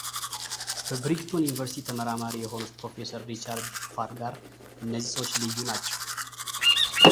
በብሪግቶን ዩኒቨርስቲ ተመራማሪ የሆኑት ፕሮፌሰር ሪቻርድ ፋርጋር እነዚህ ሰዎች ልዩ ናቸው።